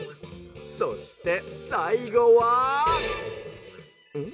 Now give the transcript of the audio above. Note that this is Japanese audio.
「そしてさいごは。ん？」。